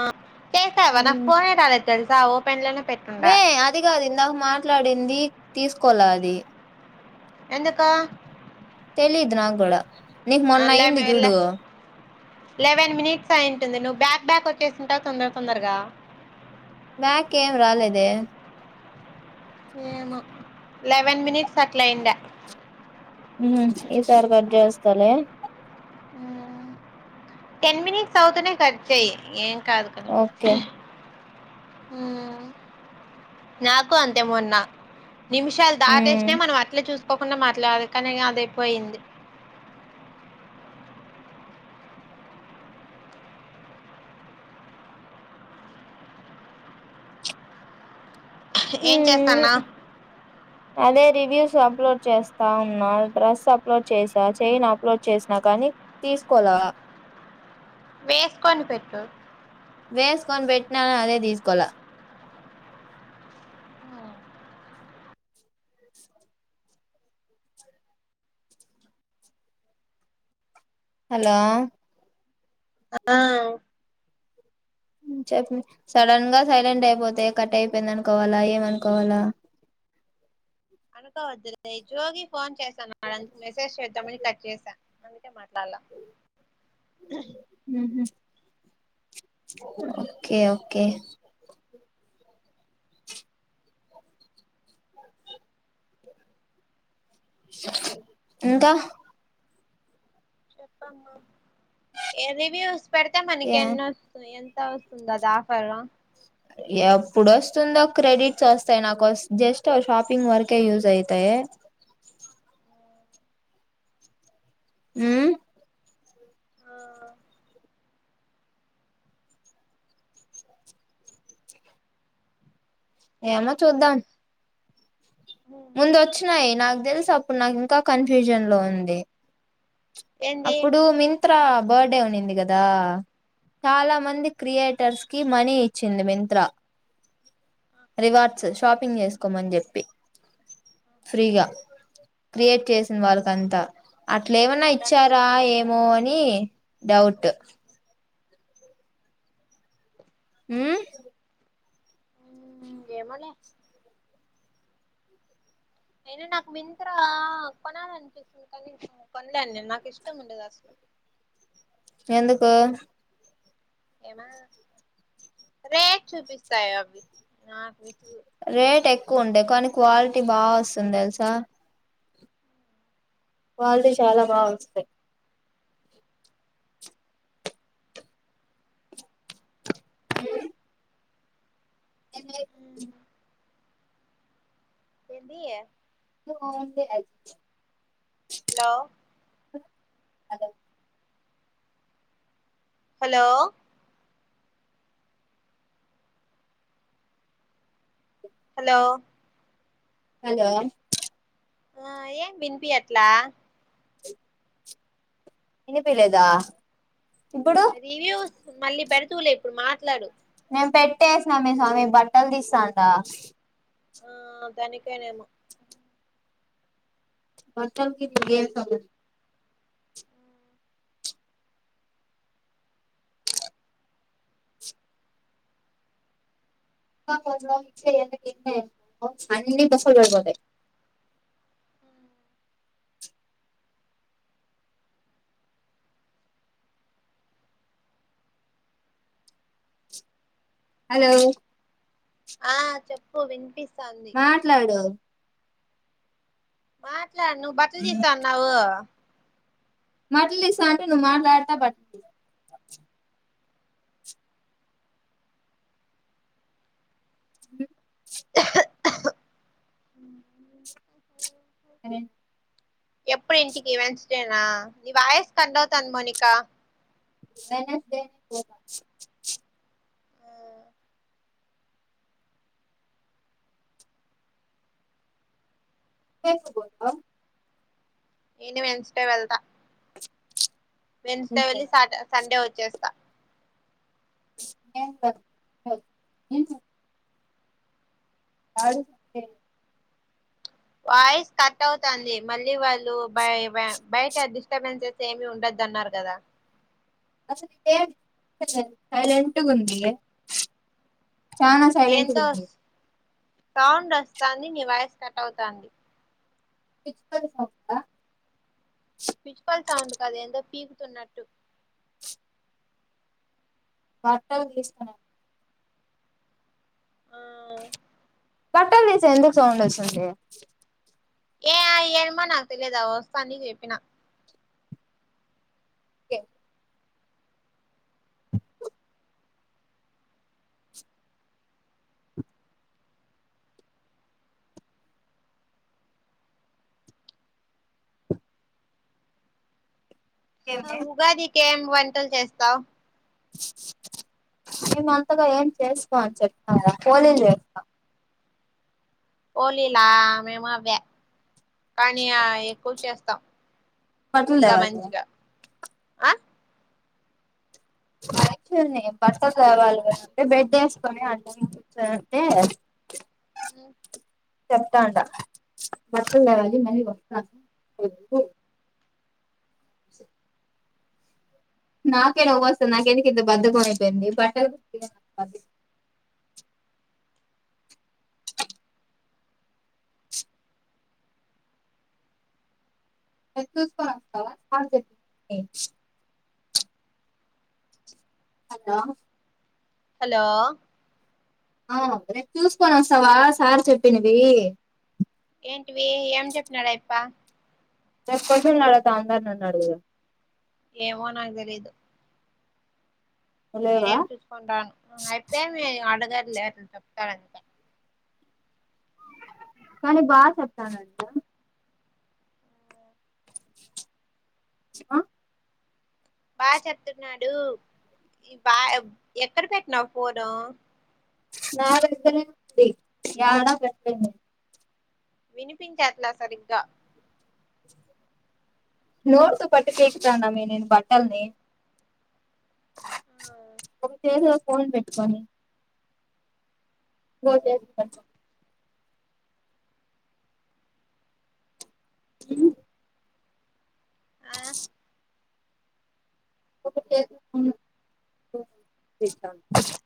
ఆ చేసావా నాకు మ్మ్ ఫోన్ ఏ రాలేదు తెలుసా ఓపెన్ లోనే పెట్టుకున్నా మే తీసుకోల అది ఎందుకా తెలీదు నాక్ కూడా నీకు మొన్న అయింది చూడు లెవెన్ మినిట్స్ అయింటుంది నువ్వు బ్యాక్ బ్యాక్ వచ్చేసింటావు తొందర తొందరగా నాక్ ఏమ్ రాలేదే ఏమో లెవెన్ మినిట్స్ అట్లా అయిండా మ్మ్ ఇసారి కాట్ చేస్తాలే టెన్ మనిట్స్ అవుతునే కట్ చెయ్ ఏం కాదు కాని ఓకే నాకు అంతే మొన్న నిమిషాలు మ్మ్ దాటేసినాయ్ మనం అట్లే చూస్ ఒకున్న మాట్లాడ కానీ ఇక అదయిపోయింది ఏం మ్మ్ చేస్తన్నావ్ అదే రివ్యూస్ అప్లోడ్ చేస్తా ఉన్నా డ్రెస్ అప్లోడ్ చేసా చైన్ అప్లోడ్ చేసిన కానీ తీసుకోలా వేసుకొని పెట్టు వేసుకొని పెట్టినాను అదే తీసుకోలే హలో [unintelligible] సడన్ గా సైలెంట్ అయిపోతే కట్ అయిపోయింది అనుకోవాలా ఏమనుకోవాలా అనుకోవద్దు [unintelligible] ఫోన్ చేశానుడందుకు మెసేజ్ చేద్దామని కట్ చేశాను అందుకే మాట్లాడలా మ్మ్ ఓకే ఓకే ఇంకా ఏది వ్యూస్ పెడితే మనకి యా ఎన్నోస్తయి ంత వస్తుంది కదా ఆఫర్ ఎప్పుడు వస్తుందో క్రెడిట్స్ వస్తాయి నాకు జస్ట్ షాపింగ్ వరకే యూజ్ అయితాయి ఏ మ్మ్ ఆ ఏమో చూద్దాం ముందు వచ్చినాయి నాకు తెలుసు అప్పుడు నాకు ఇంకా కన్ఫ్యూజన్ లో ఉంది ఏంది అప్పుడు మింతా బర్త్డే ఉన్నింది కదా ఆ చాలా మంది క్రియేట్ టర్స్ కి మనీ ఇచ్చింది మింత్రా రివార్డ్స్ షాపింగ్ చేసుకోమని చెప్పి ఫ్రీగా క్రియేట్ చేసింది వాళ్ళకంతా అట్లేమ దానికి ఇచ్చారా ఏమో వచ్చిందంటావా అని డౌట్ మ్మ్ ఏమోలే అయినా నాకు మింత్రా కొనాలనిపిస్తుంది [inaudible] వద్దండీ నాకు ఇష్టం ఉండదు అసలు ఎందుకు రేట్ చూపిస్తాయి అవి రేట్ ఎక్కువ ఉంటేయి కానీ క్వాలిటీ బా వస్తుంది తెలుసా క్వాలిటీ చాలా బా వస్తాయి మ్మ్ [inaudible] ఏందీ ఆ వుంది లే hello hello hello hello hello ఆ ఏం వినిపియట్లా ఇనిపీలేదా రివ్యూస్ మళ్ళీ పెడుదువులే ఇప్పుడు మాట్లాడు నేను పెట్టేసినా మే స్వామి బట్టలు తీస్తాంట ఆ దానికేనేమో బట్టలకి [inaudible] [inaudible] అన్నీ [unintelligible] హలో ఆ చెప్పు వినిపిస్ మాట్లాడు మాట్లాడు నువ్వు బట్టలు తీస్తా అన్నావు మాట్లాడి తీస్తా అంటే నువ్వు మాట్లాడతా బట్టలు తీయమంటావు హ అ ఎప్పుడు ఇంటికి వెన్స్డేనా నీ వాయస్ కట్ అవుతాంది మౌనికా వెడ్నెస్డే నే పోదాం అనుకుంటున్న రేపే పోతవా నేను వెడ్నెస్డే వెళ్తా వెన్స్డే వెళ్లి సాట్ సండే వచ్చేస్తా ఆడు వాయిస్ కట్ అవుతుంది మళ్ళీ వాళ్ళు బ బయట డిస్టర్బెన్సెస్ ఏమి ఉండొద్దు అన్నారు కదా అసలు ఏ లేదు సైలెంట్ గుంది చానా సైలెంట్గ ఏందో ఉంది సౌండ్ వస్తాంది నీ వాయస్ కట్ అవుతాంది పిచ్చుకల సౌండా పిచ్చుకల సౌండ్ కాదా ఏందో పీకుతున్నట్టు బట్టలు తీస్తున్నాను ఆ బట్టలు తీస్తే ఎందుకు సౌండ్ వచ్చింది ఏ ఎమ్మొ నాకు తెలిదు అది వస్తాంది నీకు చెప్పిన ఓకే అ ఉగాదికి ఏం వంటలు చేస్తావు మేమంతగా ఏం చేసుకోం అని చెప్పాగా పోలీలు చేస్తాం పోలీలా మేము అవ్వే కానీ ఎక్కువ చేస్తాం బట్టలు ఇంకా తేవాలి కదా మంచిగా ఆ [unintelligible] కావాలి అంటే బెడ్ వేసుకొని అద్దం ముందు కూర్చో అంటే ఆ చెప్తా ఉండా [unintelligible] నాకే నవ్వు వస్తంది నాకెందుకు ఇంత బద్దకం అయిపోయింది బట్టలు కూడా రేపు తీసుకోని ఒస్తావా సార్ చెప్పినవి హలో హలో ఆ రేపు తీసుకోని వస్తావా సార్ చెప్పినవి ఏంటివి ఏం చెప్నాడు అయప్ప రేపు క్వషన్లు అని అందరినన్నడు కదా ఏమో నాకు తెలీదు నువ్వు లేవా నేనేం చూసుకొని రాను అయితే మీ అడగర్లే అట్ల చెప్తాడంతే కానీ బాగా చెప్తాన్నాడు కదా ఆ బాగా చెప్తున్నాడు బా ఎక్కడ పెట్టినావు ఫోను నా దగ్గరే ఉంది యాడ పెట్టలే నేను వినిపించట్లా సరిగ్గా నోటితో పట్టుకొని ఎక్కుతాండ నేను బట్టల్ని ఒక చేతిలో ఫోన్ పెట్టుకొని బొద్దె క అ ఒక [unintelligible]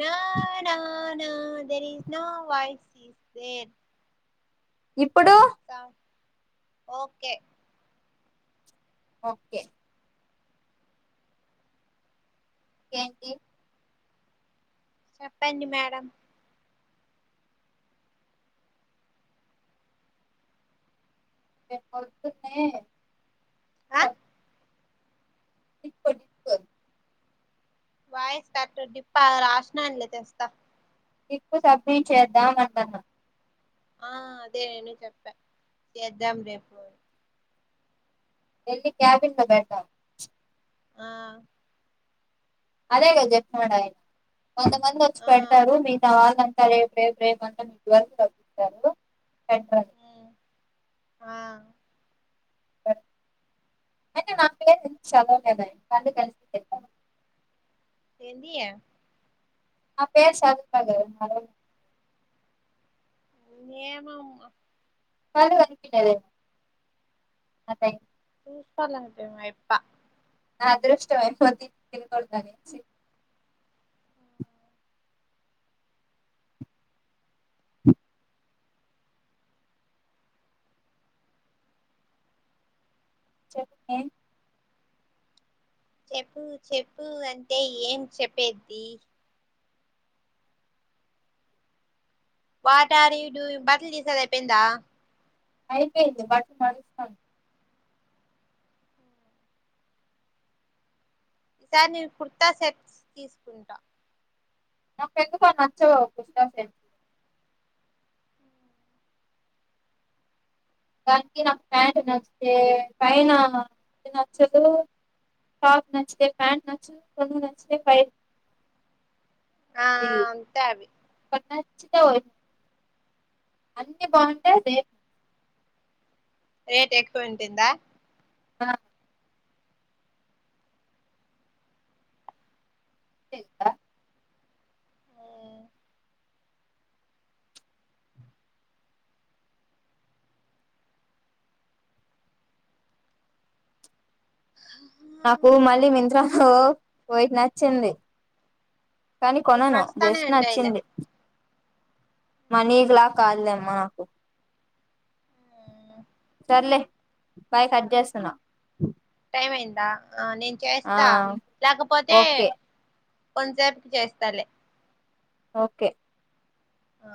నా నానా there is no voice is there ఇప్పుడు స ఓకె ఓకే ఇంకేంటి చెప్పండి మేడం రెప్పొద్దిన్నె చెప్ టప్పటి క్కో వాయిస్ కట్ డిప్ప రా సెనాన్ లే తెస్త ఇప్పు సబ్మిట్ చేద్దాం అంటున్న ఆ అదే నేను చెప్ప చేద్దాం రేపు వెళ్లి క్యాబిన్ లో పెడ్తాం ఆ అదే కదా చెప్న్నాాడు ఆయన కొంతమంది వచ్చి ఆ, పెడతారు మీగత వాళ్ళ సర్ రేప్ రేప్ రేపు అంటున్నారు ఇదివరకు చూపిస్తారు కండి ఉమ్, ఆ డ అంటే నాకు చదవలేదాండి వాళ్ళు కలిసి చెప్పా ఏంది యె ఆ పేర్ చదువుతా కదా ఏమో కళ్ళు కనిపి లేంటి చెప్పాలంకే ఎప్ప నా అదృష్టం తికతనే చెప్ మె చెప్పు చెప్పు అంటే ఏం చెప్పేద్ది వాట్ ఆర్ యూ డూ బట్టలు తీసేది అయిపోయిందా అయిపోయింది బట్టలు మడస్తాను ఈ సార్ నేను కుర్తా సెట్స్ తీసుకుంటా నాకు ఎందుకో నచ్చవ్ ఒక కుర్తా సెట్ దానికి నాకు ఫ్యాంట్ నచ్చతే పైన నచ్చదు టాప్ నచ్చితే ప్యాంట్ నచ్చుదు కొను నచ్చతే పైర్ ఆ అంతే అవి చ్చిత ఒమ్ అంటే బాగుంటే అదే రేట్ ఎక్కువ ఉండద్దా బ చింత ఉమ్ ఆ నాకు మళ్ళీ మింత్రా హ్ లో వయిట్. నచ్చింది కానీ నీకు కొనను నచ్చుతానే జష్ట్ ఉంటాయిలే నచ్చింది మనీక్ లాగ్ కాదులేమ్మ నాకు సర్లే బై కట్ చేస్తున్న టైమ్ అయిందా నేను చేస్తా లేకపోతే ఓకే కొన్ సేపటికి చేస్తాలే ఓకే ఆ